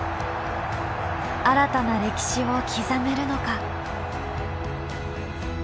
新たな歴史を刻めるのか。